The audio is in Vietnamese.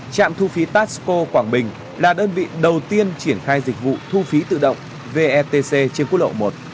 trạm thu phí tasco quảng bình là đơn vị đầu tiên triển khai dịch vụ thu phí tự động vetc trên quốc lộ một